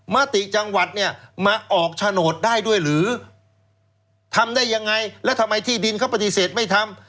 มติจังหวัดเนี่ยมาออกโฉนดได้ด้วยหรือทำได้ยังไงแล้วทำไมที่ดินเขาปฏิเสธไม่ทำ